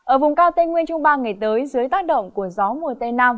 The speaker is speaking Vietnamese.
ở vùng cao tây nguyên trong ba ngày tới dưới tác động của gió mùa tây nam